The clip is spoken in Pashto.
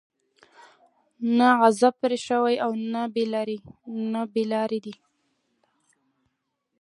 نه غضب پرې شوى او نه بې لاري دي.